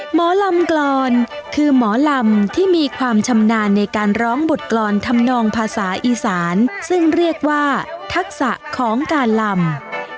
หมอลำกรอนคือหมอลำที่มีความชำนาญในการร้องบทกรรมธรรมนองภาษาอีสานซึ่งเรียกว่าทักษะของการลำ